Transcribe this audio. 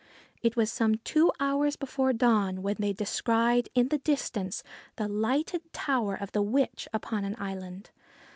It was some two hours before dawn when they descried, in the distance, the lighted tower of the witch, upon an island.